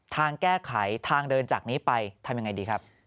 ทางแก้ไขทางเดินจากนี้ไปทำยังไงดีครับ